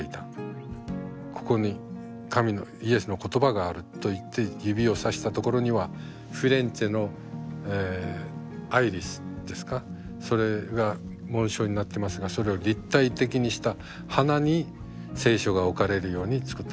ここに神のイエスの言葉があると言って指をさしたところにはフィレンツェのアイリスですかそれが紋章になってますがそれを立体的にした花に聖書が置かれるように作った。